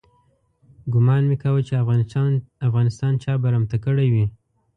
ګومان مې کاوه چې افغانستان چا برمته کړی وي.